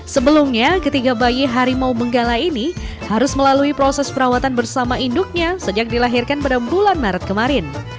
sebelumnya ketiga bayi harimau benggala ini harus melalui proses perawatan bersama induknya sejak dilahirkan pada bulan maret kemarin